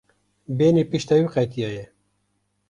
Benê pişta wî qetiyaye.